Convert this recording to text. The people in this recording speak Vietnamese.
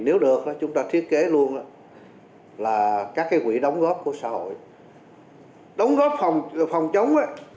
nếu được chúng ta thiết kế luôn là các cái quỹ đóng góp của xã hội đóng góp phòng chống